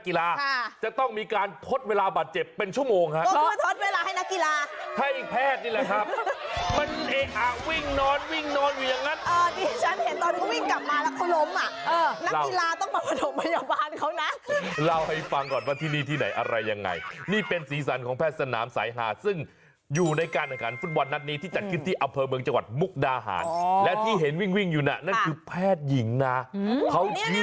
กรรรมกรรมกรรมกรรมกรรมกรรมกรรมกรรมกรรมกรรมกรรมกรรมกรรมกรรมกรรมกรรมกรรมกรรมกรรมกรรมกรรมกรรมกรรมกรรมกรรมกรรมกรรมกรรมกรรมกรรมกรรมกรรมกรรมกรรมกรรมกรรมกรรมกรรมกรรมกรรมกรรมกรรมกรรมกรรมกรรมกรรมกรรมกรรมกรรมกรรมกรรมกรรมกรรมกรรมกรรม